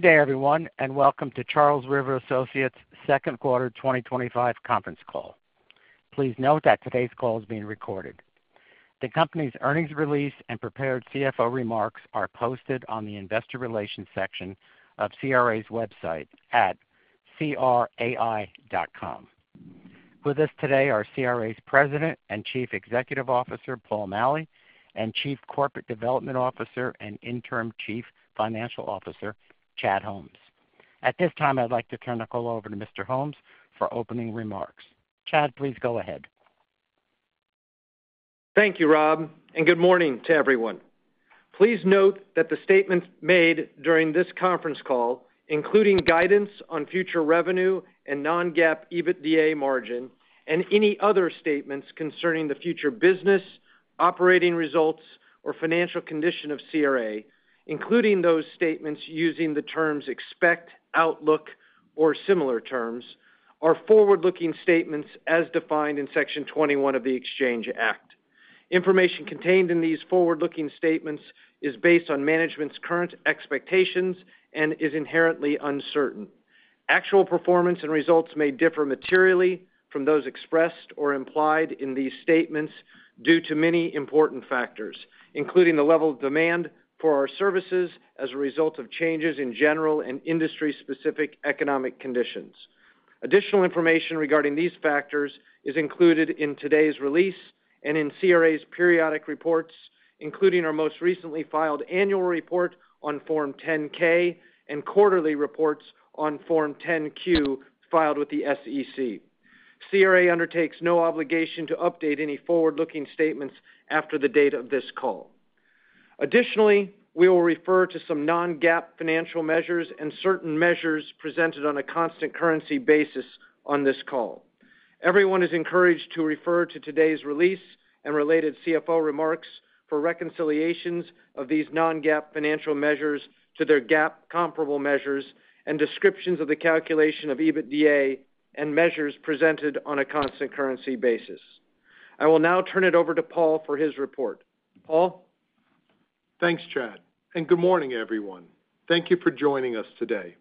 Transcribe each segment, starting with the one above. Good day, everyone, and welcome to Charles River Associates' second quarter 2025 conference call. Please note that today's call is being recorded. The company's earnings release and prepared CFO remarks are posted on the Investor Relations section of CRA's website at crai.com. With us today are CRA's President and Chief Executive Officer, Paul Maleh, and Chief Corporate Development Officer and Interim Chief Financial Officer, Chad Holmes. At this time, I'd like to turn the call over to Mr. Holmes for opening remarks. Chad, please go ahead. Thank you, Rob, and good morning to everyone. Please note that the statements made during this conference call, including guidance on future revenue and non-GAAP EBITDA margin and any other statements concerning the future business, operating results, or financial condition of CRA, including those statements using the terms "expect," "outlook," or similar terms, are forward-looking statements as defined in Section 21 of the Exchange Act. Information contained in these forward-looking statements is based on management's current expectations and is inherently uncertain. Actual performance and results may differ materially from those expressed or implied in these statements due to many important factors, including the level of demand for our services as a result of changes in general and industry-specific economic conditions. Additional information regarding these factors is included in today's release and in CRA's periodic reports, including our most recently filed annual report on Form 10-K and quarterly reports on Form 10-Q filed with the SEC. CRA undertakes no obligation to update any forward-looking statements after the date of this call. Additionally, we will refer to some non-GAAP financial measures and certain measures presented on a constant currency basis on this call. Everyone is encouraged to refer to today's release and related CFO remarks for reconciliations of these non-GAAP financial measures to their GAAP comparable measures and descriptions of the calculation of EBITDA and measures presented on a constant currency basis. I will now turn it over to Paul for his report. Paul? Thanks, Chad, and good morning, everyone. Thank you for joining us today.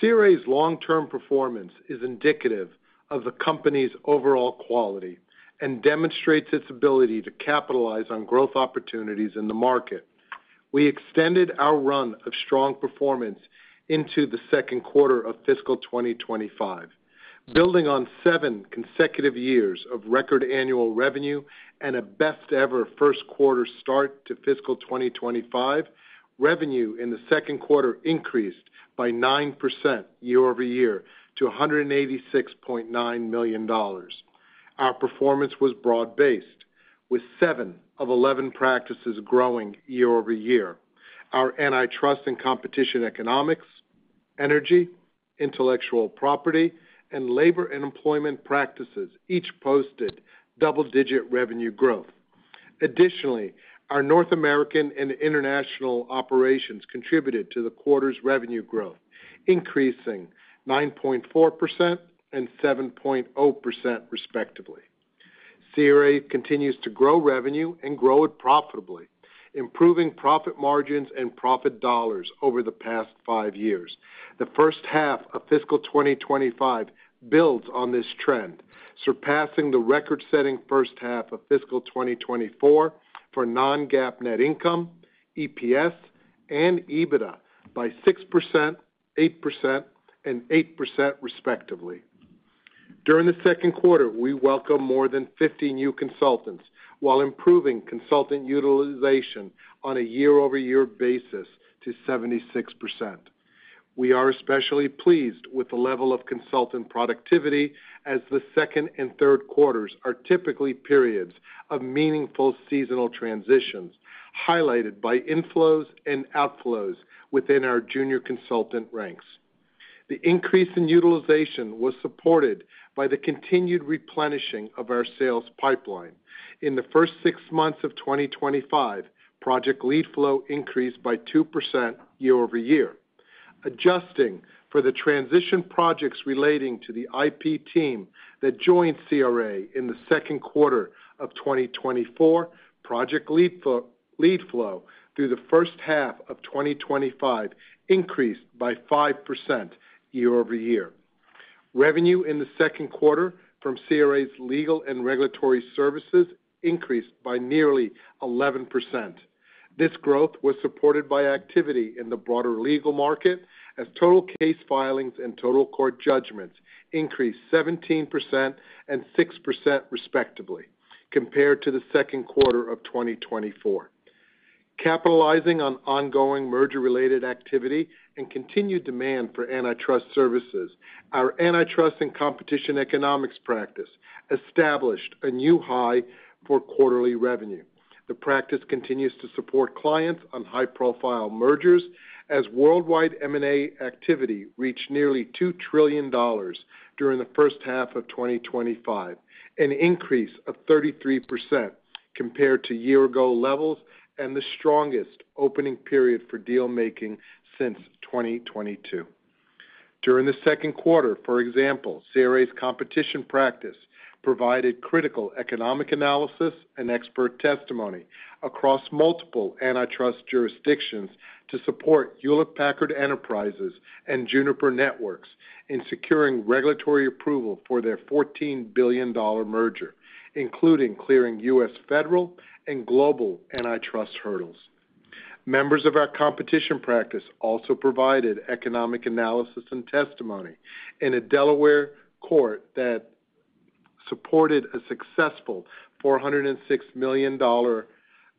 CRA's long-term performance is indicative of the company's overall quality and demonstrates its ability to capitalize on growth opportunities in the market. We extended our run of strong performance into the second quarter of fiscal 2025. Building on seven consecutive years of record annual revenue and a best-ever first-quarter start to fiscal 2025, revenue in the second quarter increased by 9% year-over-year to $186.9 million. Our performance was broad-based, with 7 of 11 practices growing year-over-year. Our antitrust and competition economics, energy, intellectual property, and labor and employment practices each posted double-digit revenue growth. Additionally, our North American and international operations contributed to the quarter's revenue growth, increasing 9.4% and 7.0% respectively. CRA continues to grow revenue and grow it profitably, improving profit margins and profit dollars over the past five years. The first half of fiscal 2025 builds on this trend, surpassing the record-setting first half of fiscal 2024 for non-GAAP net income, EPS, and EBITDA by 6%, 8%, and 8% respectively. During the second quarter, we welcomed more than 50 new consultants while improving consultant utilization on a year-over-year basis to 76%. We are especially pleased with the level of consultant productivity as the second and third quarters are typically periods of meaningful seasonal transitions highlighted by inflows and outflows within our junior consultant ranks. The increase in utilization was supported by the continued replenishing of our sales pipeline. In the first six months of 2025, project lead flow increased by 2% year-over-year. Adjusting for the transition projects relating to the IP team that joined CRA in the second quarter of 2024, project lead flow through the first half of 2025 increased by 5% year-over-year. Revenue in the second quarter from CRA's legal and regulatory services increased by nearly 11%. This growth was supported by activity in the broader legal market as total case filings and total court judgments increased 17% and 6% respectively compared to the second quarter of 2024. Capitalizing on ongoing merger-related activity and continued demand for antitrust services, our antitrust and competition economics practice established a new high for quarterly revenue. The practice continues to support clients on high-profile mergers as worldwide M&A activity reached nearly $2 trillion during the first half of 2025, an increase of 33% compared to year-ago levels and the strongest opening period for dealmaking since 2022. During the second quarter, for example, CRA's competition practice provided critical economic analysis and expert testimony across multiple antitrust jurisdictions to support Hewlett Packard Enterprise and Juniper Networks in securing regulatory approval for their $14 billion merger, including clearing U.S. federal and global antitrust hurdles. Members of our competition practice also provided economic analysis and testimony in a Delaware court that supported a successful $406 million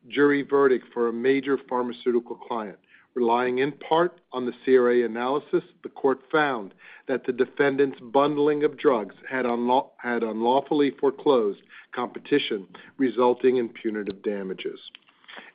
jury verdict for a major pharmaceutical client. Relying in part on the CRA analysis, the court found that the defendant's bundling of drugs had unlawfully foreclosed competition, resulting in punitive damages.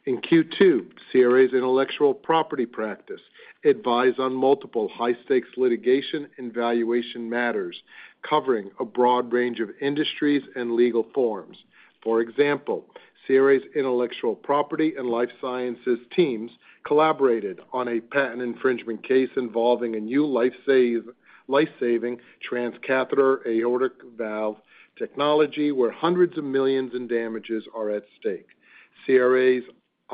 In Q2, CRA's intellectual property practice advised on multiple high-stakes litigation and valuation matters covering a broad range of industries and legal forms. For example, CRA's intellectual property and life sciences teams collaborated on a patent infringement case involving a new life-saving transcatheter aortic valve technology where hundreds of millions in damages are at stake. CRA's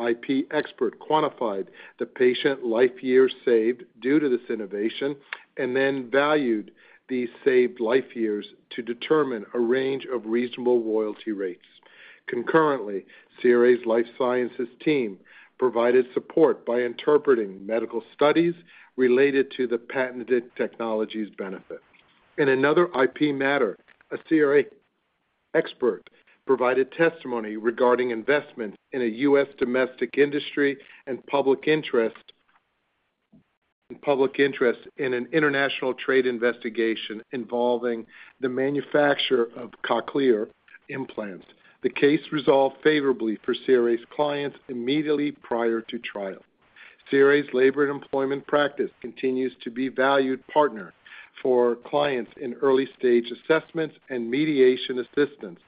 IP expert quantified the patient life years saved due to this innovation and then valued these saved life years to determine a range of reasonable royalty rates. Concurrently, CRA's life sciences team provided support by interpreting medical studies related to the patented technology's benefit. In another IP matter, a CRA expert provided testimony regarding investment in a U.S. domestic industry and public interest in an international trade investigation involving the manufacture of cochlear implants. The case resolved favorably for CRA's clients immediately prior to trial. CRA's labor and employment practice continues to be a valued partner for clients in early-stage assessments and mediation assistance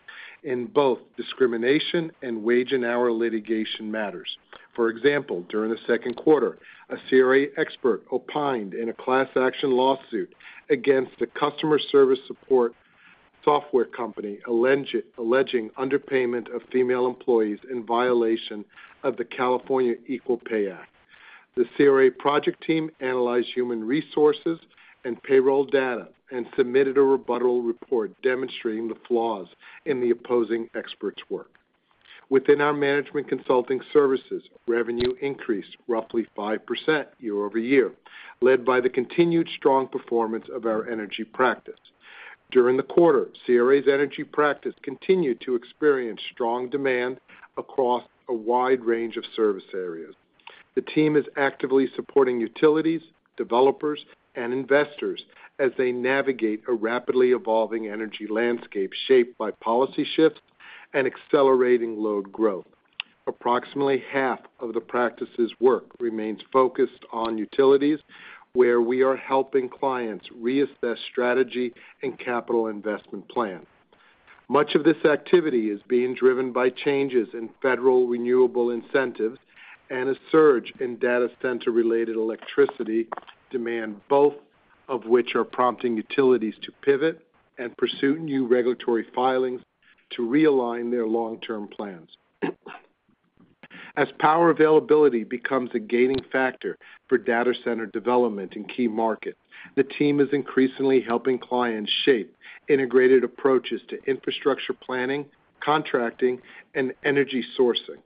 in both discrimination and wage and hour litigation matters. For example, during the second quarter, a CRA expert opined in a class action lawsuit against a customer service support software company alleging underpayment of female employees in violation of the California Equal Pay Act. The CRA project team analyzed human resources and payroll data and submitted a rebuttal report demonstrating the flaws in the opposing expert's work. Within our management consulting services, revenue increased roughly 5% year-over-year, led by the continued strong performance of our energy practice. During the quarter, CRA's energy practice continued to experience strong demand across a wide range of service areas. The team is actively supporting utilities, developers, and investors as they navigate a rapidly evolving energy landscape shaped by policy shifts and accelerating load growth. Approximately half of the practice's work remains focused on utilities, where we are helping clients reassess strategy and capital investment plans. Much of this activity is being driven by changes in federal renewable incentives and a surge in data center-related electricity demand, both of which are prompting utilities to pivot and pursue new regulatory filings to realign their long-term plans. As power availability becomes a gating factor for data center development in key markets, the team is increasingly helping clients shape integrated approaches to infrastructure planning, contracting, and energy sourcing.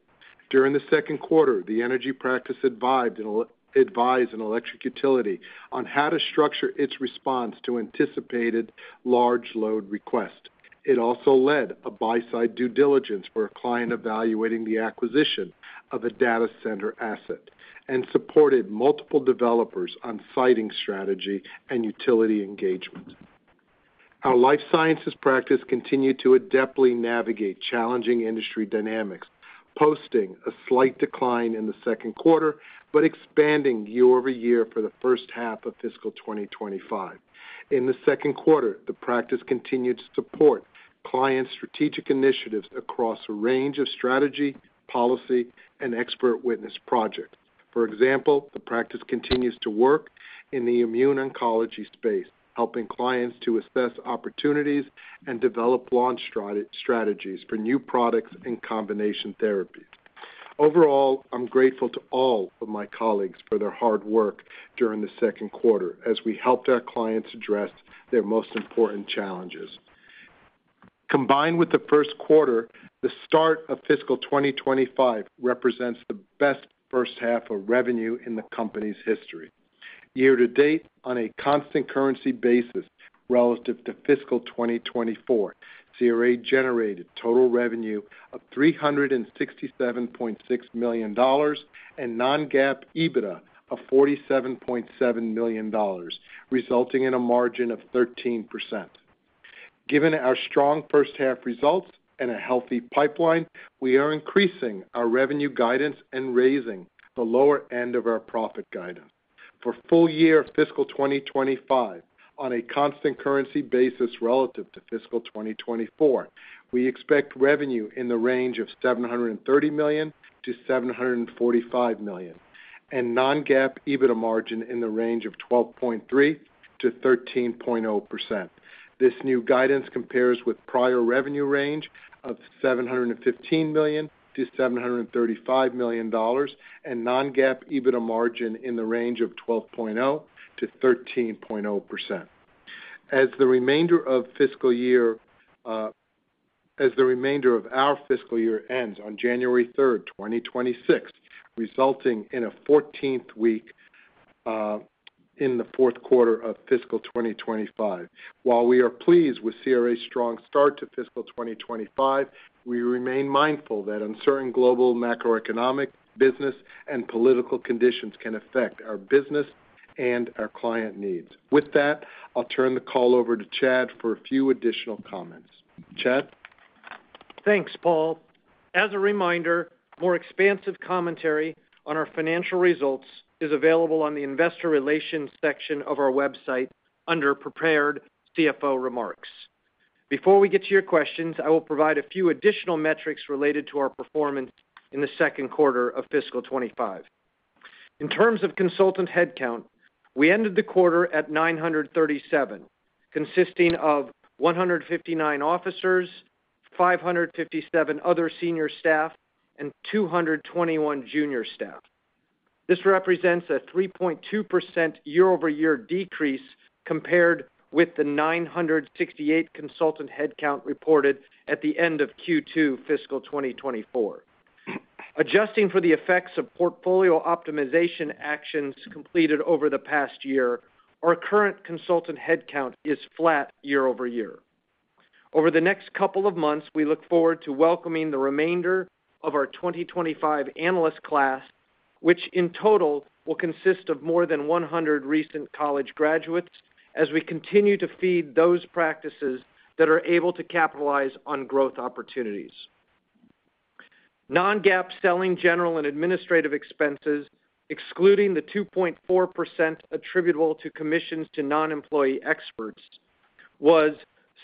During the second quarter, the energy practice advised an electric utility on how to structure its response to anticipated large load requests. It also led a buy-side due diligence for a client evaluating the acquisition of a data center asset and supported multiple developers on siting strategy and utility engagement. Our life sciences practice continued to adeptly navigate challenging industry dynamics, posting a slight decline in the second quarter but expanding year-over-year for the first half of fiscal 2025. In the second quarter, the practice continued to support client strategic initiatives across a range of strategy, policy, and expert witness projects. For example, the practice continues to work in the immune oncology space, helping clients to assess opportunities and develop launch strategies for new products and combination therapies. Overall, I'm grateful to all of my colleagues for their hard work during the second quarter as we helped our clients address their most important challenges. Combined with the first quarter, the start of fiscal 2025 represents the best first half of revenue in the company's history. Year-to-date, on a constant currency basis relative to fiscal 2024, CRA generated total revenue of $367.6 million and non-GAAP EBITDA of $47.7 million, resulting in a margin of 13%. Given our strong first-half results and a healthy pipeline, we are increasing our revenue guidance and raising the lower end of our profit guidance. For full-year fiscal 2025, on a constant currency basis relative to fiscal 2024, we expect revenue in the range of $730 million-$745 million and non-GAAP EBITDA margin in the range of 12.3%-13.0%. This new guidance compares with prior revenue range of $715 million-$735 million and non-GAAP EBITDA margin in the range of 12.0%-13.0%. The remainder of our fiscal year ends on January 3rd, 2026, resulting in a 14th week in the fourth quarter of fiscal 2025. While we are pleased with CRA's strong start to fiscal 2025, we remain mindful that uncertain global macroeconomic, business, and political conditions can affect our business and our client needs. With that, I'll turn the call over to Chad for a few additional comments. Chad. Thanks, Paul. As a reminder, more expansive commentary on our financial results is available on the Investor Relations section of our website under prepared CFO remarks. Before we get to your questions, I will provide a few additional metrics related to our performance in the second quarter of fiscal 2025. In terms of consultant headcount, we ended the quarter at 937, consisting of 159 officers, 557 other senior staff, and 221 junior staff. This represents a 3.2% year-over-year decrease compared with the 968 consultant headcount reported at the end of Q2 fiscal 2024. Adjusting for the effects of portfolio optimization actions completed over the past year, our current consultant headcount is flat year-over-year. Over the next couple of months, we look forward to welcoming the remainder of our 2025 analyst class, which in total will consist of more than 100 recent college graduates as we continue to feed those practices that are able to capitalize on growth opportunities. Non-GAAP selling, general, and administrative expenses, excluding the 2.4% attributable to commissions to non-employee experts, was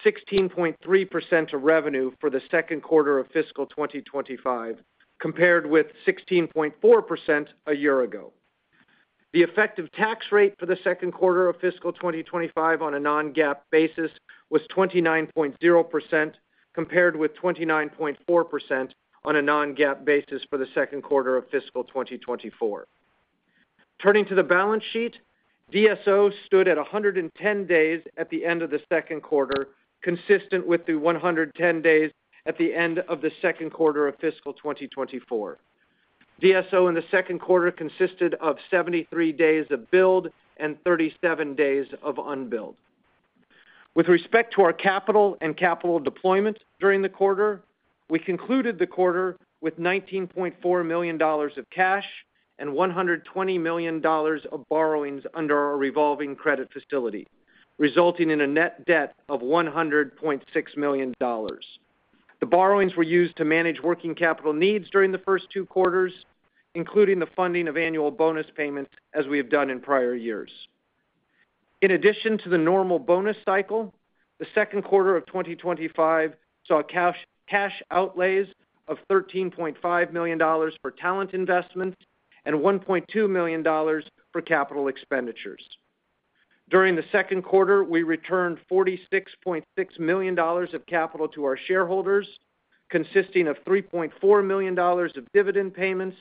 16.3% of revenue for the second quarter of fiscal 2025, compared with 16.4% a year ago. The effective tax rate for the second quarter of fiscal 2025 on a non-GAAP basis was 29.0%, compared with 29.4% on a non-GAAP basis for the second quarter of fiscal 2024. Turning to the balance sheet, DSO stood at 110 days at the end of the second quarter, consistent with the 110 days at the end of the second quarter of fiscal 2024. DSO in the second quarter consisted of 73 days of billed and 37 days of unbilled. With respect to our capital and capital deployment during the quarter, we concluded the quarter with $19.4 million of cash and $120 million of borrowings under our revolving credit facility, resulting in a net debt of $100.6 million. The borrowings were used to manage working capital needs during the first two quarters, including the funding of annual bonus payments as we have done in prior years. In addition to the normal bonus cycle, the second quarter of 2025 saw cash outlays of $13.5 million for talent investment and $1.2 million for capital expenditures. During the second quarter, we returned $46.6 million of capital to our shareholders, consisting of $3.4 million of dividend payments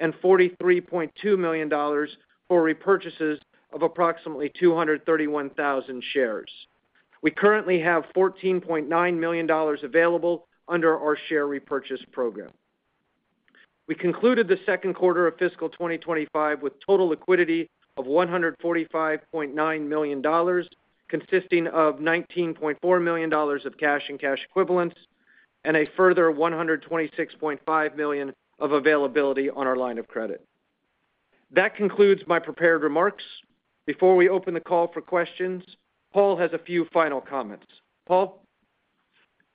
and $43.2 million for repurchases of approximately 231,000 shares. We currently have $14.9 million available under our share repurchase program. We concluded the second quarter of fiscal 2025 with total liquidity of $145.9 million, consisting of $19.4 million of cash and cash equivalents and a further $126.5 million of availability on our line of credit. That concludes my prepared remarks. Before we open the call for questions, Paul has a few final comments. Paul?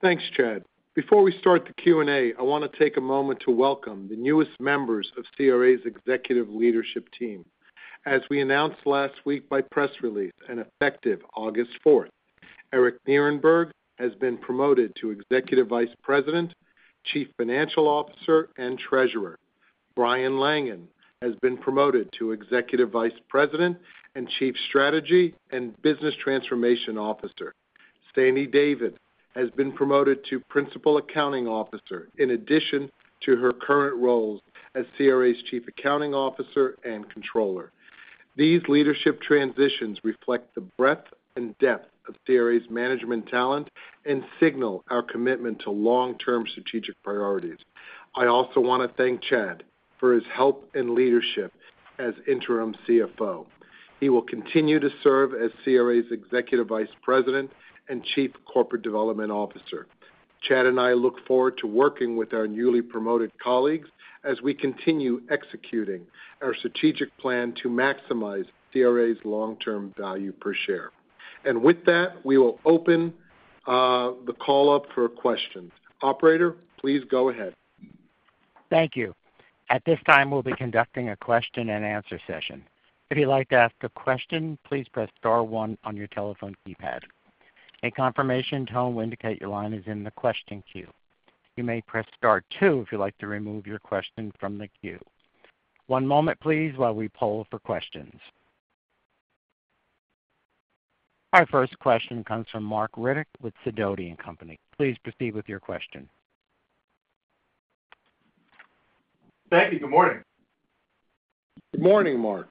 Thanks, Chad. Before we start the Q&A, I want to take a moment to welcome the newest members of CRA's executive leadership team. As we announced last week by press release and effective August 4th, Eric Nierenberg has been promoted to Executive Vice President, Chief Financial Officer, and Treasurer. Brian Langan has been promoted to Executive Vice President and Chief Strategy and Business Transformation Officer. Sandy David has been promoted to Principal Accounting Officer in addition to her current roles as CRA's Chief Accounting Officer and Controller. These leadership transitions reflect the breadth and depth of CRA's management talent and signal our commitment to long-term strategic priorities. I also want to thank Chad for his help and leadership as Interim CFO. He will continue to serve as CRA's Executive Vice President and Chief Corporate Development Officer. Chad and I look forward to working with our newly promoted colleagues as we continue executing our strategic plan to maximize CRA's long-term value per share. With that, we will open the call up for questions. Operator, please go ahead. Thank you. At this time, we'll be conducting a question and answer session. If you'd like to ask a question, please press star one on your telephone keypad. A confirmation tone will indicate your line is in the question queue. You may press star two if you'd like to remove your question from the queue. One moment, please, while we poll for questions. Our first question comes from Marc Riddick with Sidoti & Company. Please proceed with your question. Thank you. Good morning. Morning, Mark.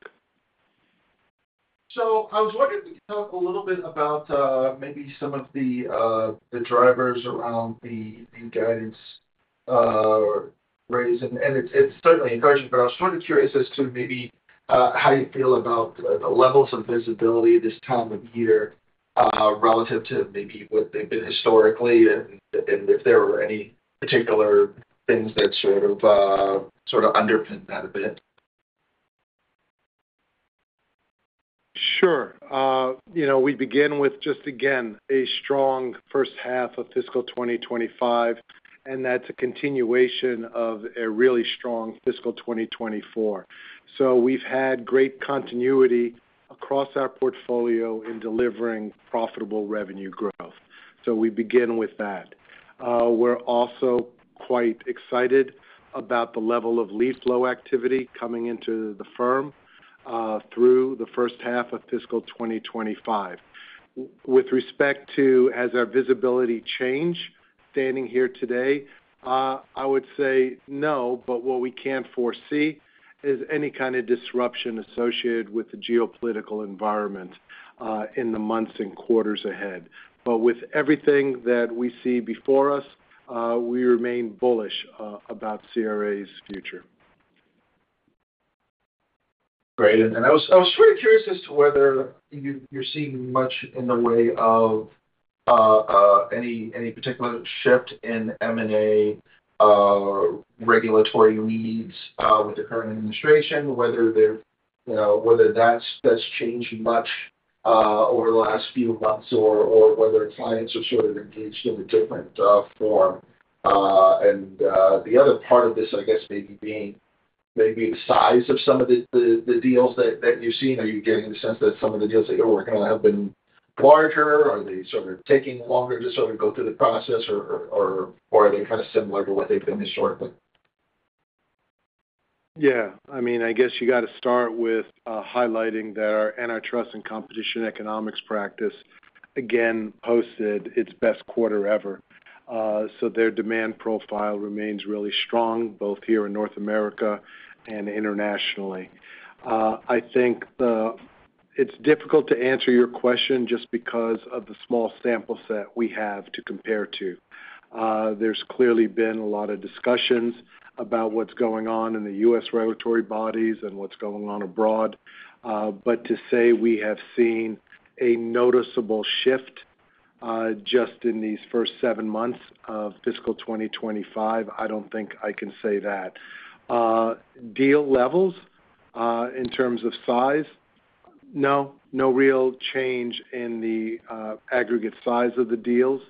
I was wondering if you could talk a little bit about maybe some of the drivers around the guidance raised. It's certainly encouraging, but I was wondering if you're interested in maybe how you feel about the levels of visibility this time of year relative to maybe what they've been historically, and if there were any particular things that sort of underpin that a bit. Sure. We begin with just, again, a strong first half of fiscal 2025, and that's a continuation of a really strong fiscal 2024. We've had great continuity across our portfolio in delivering profitable revenue growth. We begin with that. We're also quite excited about the level of lead flow activity coming into the firm through the first half of fiscal 2025. With respect to, has our visibility changed standing here today? I would say no, but what we can't foresee is any kind of disruption associated with the geopolitical environment in the months and quarters ahead. With everything that we see before us, we remain bullish about CRA's future. Great. I was sort of curious as to whether you're seeing much in the way of any particular shift in M&A regulatory leads with the current administration, whether that's changed much over the last few months or whether clients are sort of engaged in a different form. The other part of this, I guess, maybe being maybe the size of some of the deals that you're seeing, are you getting the sense that some of the deals that you're working on have been larger? Are they sort of taking longer to sort of go through the process, or are they kind of similar to what they've done in the short term? Yeah. I mean, I guess you got to start with highlighting that our antitrust and competition economics practice, again, posted its best quarter ever. Their demand profile remains really strong, both here in North America and internationally. I think it's difficult to answer your question just because of the small sample set we have to compare to. There's clearly been a lot of discussions about what's going on in the U.S. regulatory bodies and what's going on abroad. To say we have seen a noticeable shift just in these first seven months of fiscal 2025, I don't think I can say that. Deal levels in terms of size, no, no real change in the aggregate size of the deals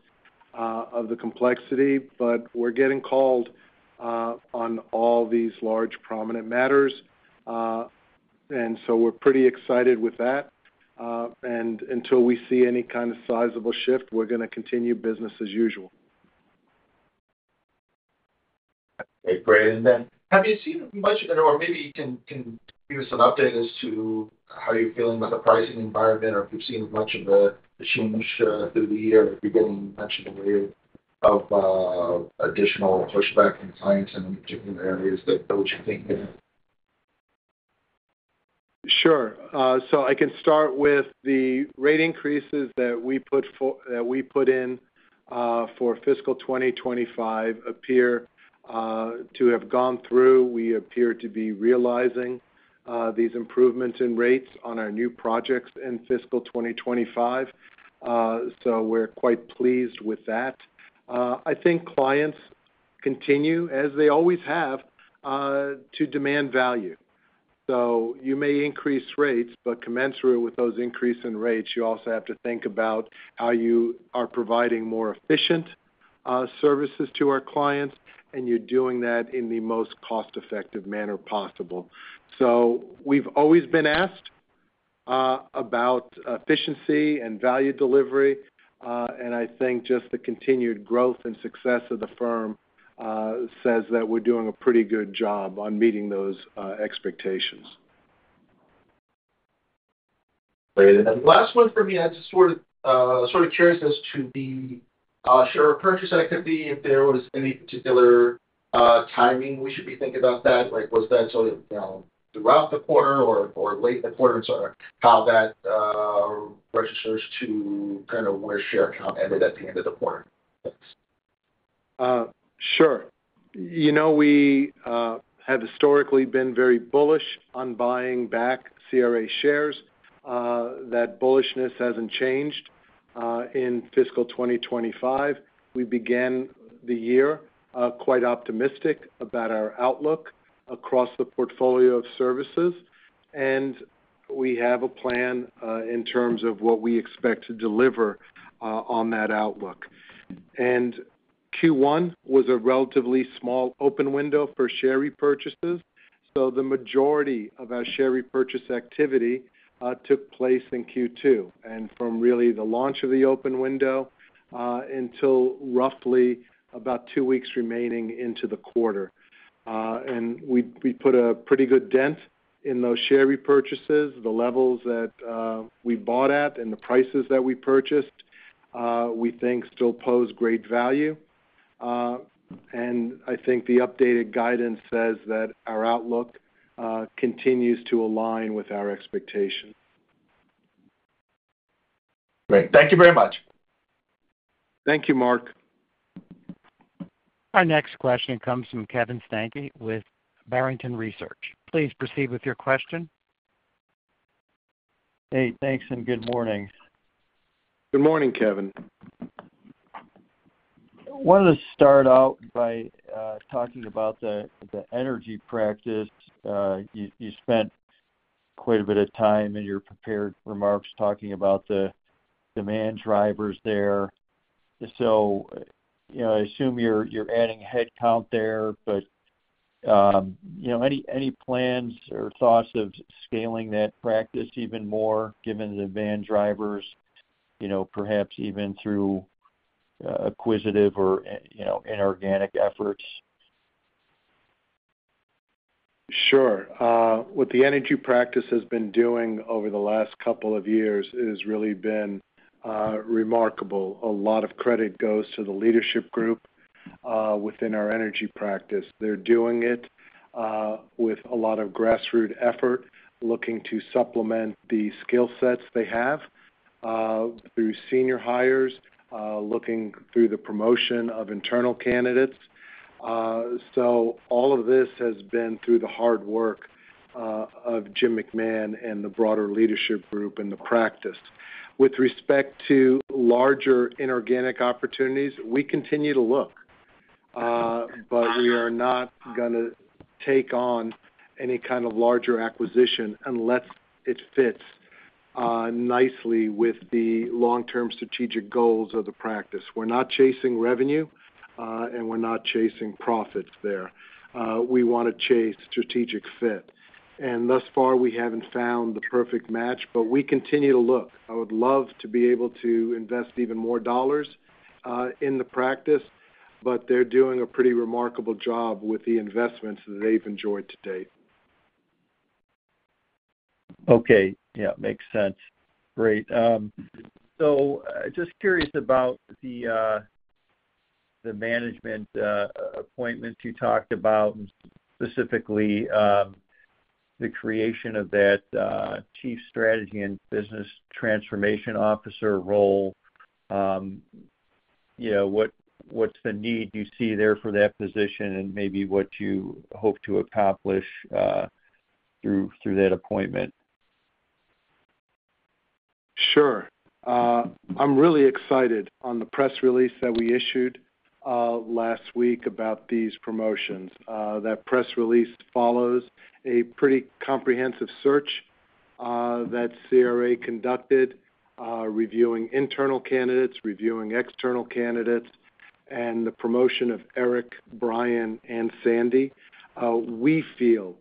or the complexity, but we're getting called on all these large prominent matters. We're pretty excited with that. Until we see any kind of sizable shift, we're going to continue business as usual. Great. Have you seen much of the, or maybe you can give us some updates as to how you're feeling with the pricing environment, or if you've seen much of the change through the year, or if you're getting much in the way of additional pushback from clients in particular areas that help you think? I can start with the rate increases that we put in for fiscal 2025 appear to have gone through. We appear to be realizing these improvements in rates on our new projects in fiscal 2025. We're quite pleased with that. I think clients continue, as they always have, to demand value. You may increase rates, but commensurate with those increasing rates, you also have to think about how you are providing more efficient services to our clients, and you're doing that in the most cost-effective manner possible. We've always been asked about efficiency and value delivery. I think just the continued growth and success of the firm says that we're doing a pretty good job on meeting those expectations. Great. The last one for me, I just was sort of curious as to the share repurchase activity, if there was any particular timing we should be thinking about for that. Was that sort of throughout the quarter or late in the quarter? How does that register to kind of where share count ended at the end of the quarter? Sure. We have historically been very bullish on buying back CRA shares. That bullishness hasn't changed. In fiscal 2025, we began the year quite optimistic about our outlook across the portfolio of services. We have a plan in terms of what we expect to deliver on that outlook. Q1 was a relatively small open window for share repurchases, so the majority of our share repurchase activity took place in Q2. From the launch of the open window until roughly about two weeks remaining in the quarter, we put a pretty good dent in those share repurchases. The levels that we bought at and the prices that we purchased, we think still pose great value. I think the updated guidance says that our outlook continues to align with our expectation. Great, thank you very much. Thank you, Marc. Our next question comes from Kevin Steinke with Barrington Research. Please proceed with your question. Hey, thanks, and good morning. Good morning, Kevin. Wanted to start out by talking about the energy practice. You spent quite a bit of time in your prepared remarks talking about the demand drivers there. I assume you're adding headcount there, but any plans or thoughts of scaling that practice even more given the demand drivers, perhaps even through acquisitive or inorganic efforts? Sure. What the energy practice has been doing over the last couple of years has really been remarkable. A lot of credit goes to the leadership group within our energy practice. They're doing it with a lot of grassroots effort, looking to supplement the skill sets they have through senior hires, looking through the promotion of internal candidates. All of this has been through the hard work of Jim McMahon and the broader leadership group in the practice. With respect to larger inorganic opportunities, we continue to look, but we are not going to take on any kind of larger acquisition unless it fits nicely with the long-term strategic goals of the practice. We're not chasing revenue, and we're not chasing profits there. We want to chase strategic fit. Thus far, we haven't found the perfect match, but we continue to look. I would love to be able to invest even more dollars in the practice, but they're doing a pretty remarkable job with the investments that they've enjoyed to date. Okay. Yeah, makes sense. Great. Just curious about the management appointments you talked about, and specifically the creation of that Chief Strategy and Business Transformation Officer role. What's the need you see there for that position and maybe what you hope to accomplish through that appointment? Sure. I'm really excited on the press release that we issued last week about these promotions. That press release follows a pretty comprehensive search that CRA conducted, reviewing internal candidates, reviewing external candidates, and the promotion of Eric, Brian, and Sandy, we feel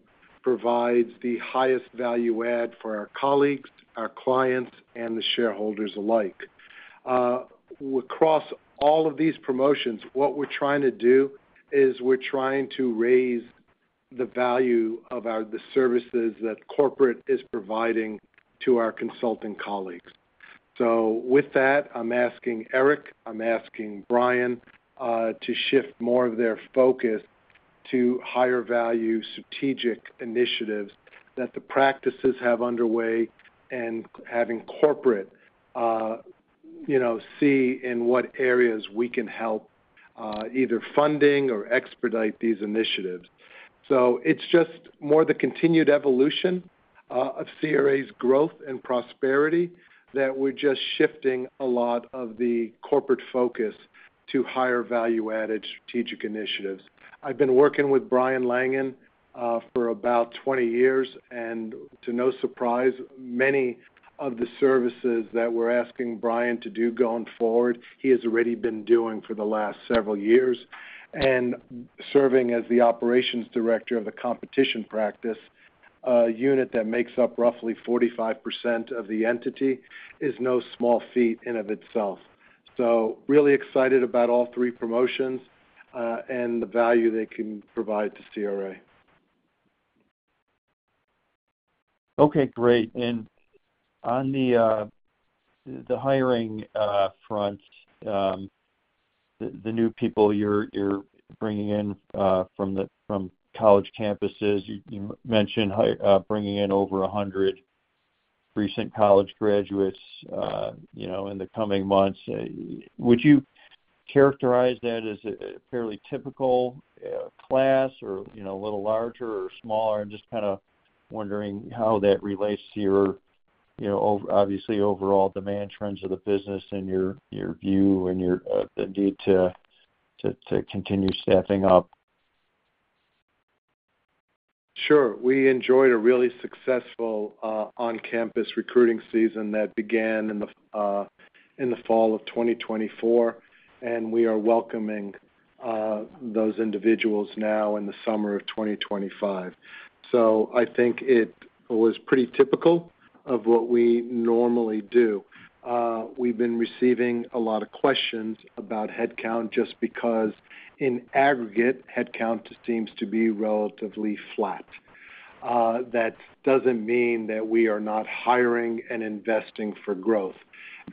provides the highest value add for our colleagues, our clients, and the shareholders alike. Across all of these promotions, what we're trying to do is we're trying to raise the value of the services that Corporate is providing to our consulting colleagues. With that, I'm asking Eric, I'm asking Brian to shift more of their focus to higher-value strategic initiatives that the practices have underway and having Corporate see in what areas we can help either funding or expedite these initiatives. It's just more the continued evolution of CRA's growth and prosperity that we're just shifting a lot of the corporate focus to higher value-added strategic initiatives. I've been working with Brian Langan for about 20 years, and to no surprise, many of the services that we're asking Brian to do going forward, he has already been doing for the last several years. Serving as the Operations Director of the competition practice, a unit that makes up roughly 45% of the entity, is no small feat in and of itself. Really excited about all three promotions and the value they can provide to CRA. Okay, great. On the hiring front, the new people you're bringing in from college campuses, you mentioned bringing in over 100 recent college graduates in the coming months. Would you characterize that as a fairly typical class or a little larger or smaller? I'm just kind of wondering how that relates to your, you know, obviously, overall demand trends of the business and your view and your need to continue staffing up. Sure. We enjoyed a really successful on-campus recruiting season that began in the fall of 2024, and we are welcoming those individuals now in the summer of 2025. I think it was pretty typical of what we normally do. We've been receiving a lot of questions about headcount just because, in aggregate, headcount seems to be relatively flat. That doesn't mean that we are not hiring and investing for growth.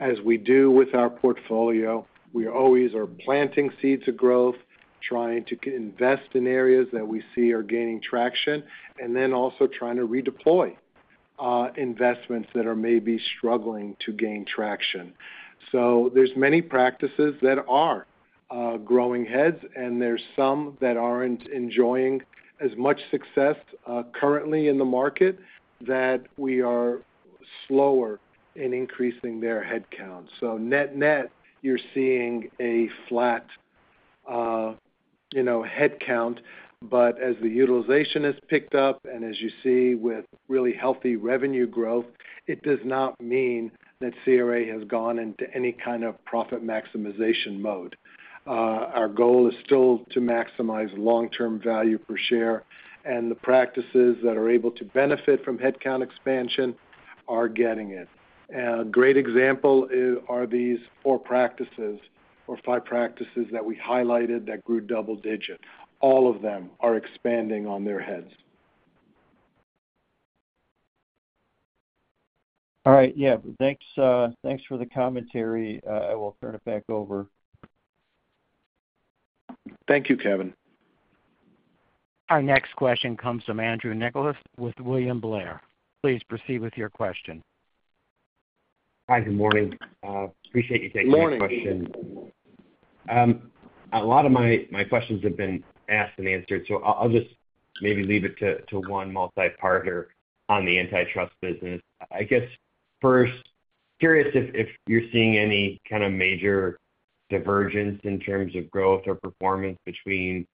As we do with our portfolio, we always are planting seeds of growth, trying to invest in areas that we see are gaining traction, and also trying to redeploy investments that are maybe struggling to gain traction. There are many practices that are growing heads, and there are some that aren't enjoying as much success currently in the market, so we are slower in increasing their headcount. Net-net, you're seeing a flat headcount, but as the utilization has picked up and as you see with really healthy revenue growth, it does not mean that CRA has gone into any kind of profit maximization mode. Our goal is still to maximize long-term value per share, and the practices that are able to benefit from headcount expansion are getting it. A great example are these four practices or five practices that we highlighted that grew double-digit. All of them are expanding on their heads. All right. Thanks for the commentary. I will turn it back over. Thank you, Kevin. Our next question comes from Andrew Nicholas with William Blair. Please proceed with your question. Hi, good morning. Appreciate you taking the question. Good morning. A lot of my questions have been asked and answered, so I'll just maybe leave it to one multi-partner on the antitrust business. I guess first, curious if you're seeing any kind of major divergence in terms of growth or performance between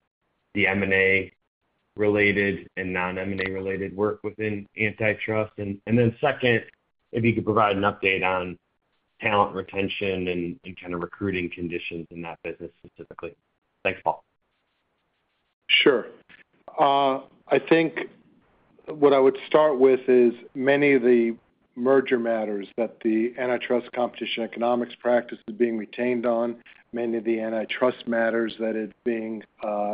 the M&A-related and non-M&A-related work within antitrust. Then second, if you could provide an update on talent retention and kind of recruiting conditions in that business specifically. Thanks, Paul. Sure. I think what I would start with is many of the merger matters that the antitrust and competition economics practice is being retained on, many of the antitrust matters that it's being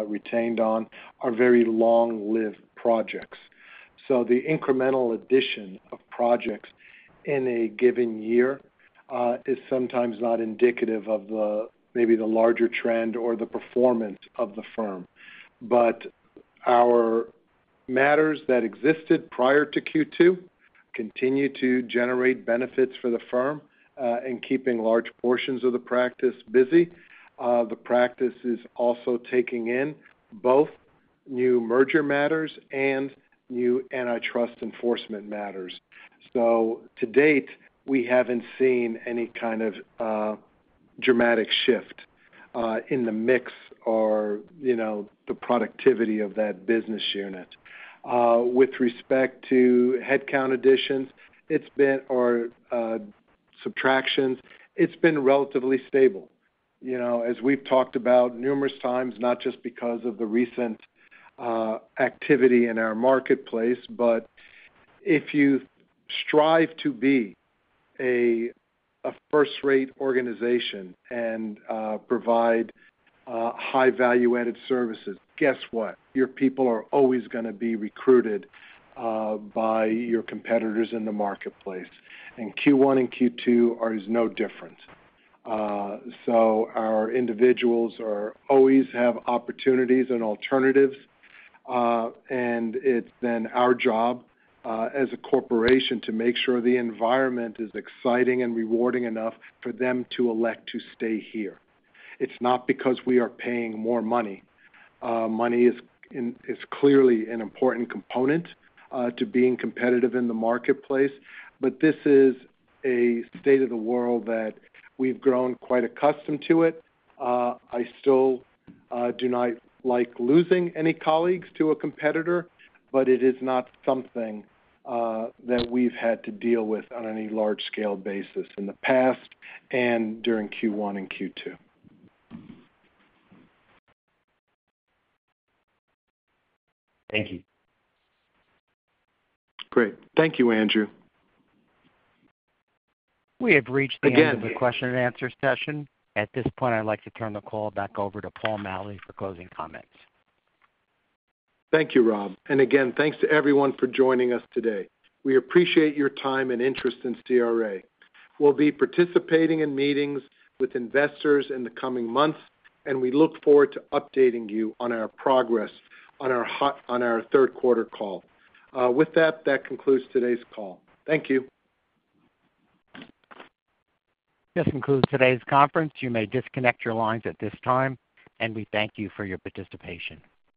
retained on are very long-lived projects. The incremental addition of projects in a given year is sometimes not indicative of maybe the larger trend or the performance of the firm. Our matters that existed prior to Q2 continue to generate benefits for the firm and keeping large portions of the practice busy. The practice is also taking in both new merger matters and new antitrust enforcement matters. To date, we haven't seen any kind of dramatic shift in the mix or the productivity of that business unit. With respect to headcount additions or subtractions, it's been relatively stable. As we've talked about numerous times, not just because of the recent activity in our marketplace, if you strive to be a first-rate organization and provide high-value-added services, guess what? Your people are always going to be recruited by your competitors in the marketplace. Q1 and Q2 are no different. Our individuals always have opportunities and alternatives. It's then our job as a corporation to make sure the environment is exciting and rewarding enough for them to elect to stay here. It's not because we are paying more money. Money is clearly an important component to being competitive in the marketplace. This is a state of the world that we've grown quite accustomed to. I still do not like losing any colleagues to a competitor, but it is not something that we've had to deal with on any large-scale basis in the past and during Q1 and Q2. Thank you. Great. Thank you, Andrew. We have reached the end of the question and answer session. At this point, I'd like to turn the call back over to Paul Maleh for closing comments. Thank you, Rob. Thank you to everyone for joining us today. We appreciate your time and interest in CRA. We'll be participating in meetings with investors in the coming months, and we look forward to updating you on our progress on our third quarter call. With that, that concludes today's call. Thank you. This concludes today's conference. You may disconnect your lines at this time, and we thank you for your participation.